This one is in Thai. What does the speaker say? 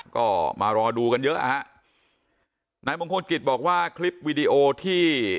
ก็มารอดูกันเยอะนะฮะนายมงคลกิจบอกว่าคลิปวีดีโอที่